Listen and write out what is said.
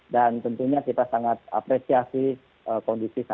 dan tentunya kita sangat apresiasi konteksnya